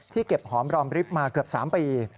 ที่เก็บหอมรอมริฟท์มาเกือบ๓ปี